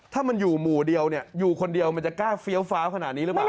ถ้ามันอยู่หมู่เดียวเนี่ยอยู่คนเดียวมันจะกล้าเฟี้ยวฟ้าวขนาดนี้หรือเปล่า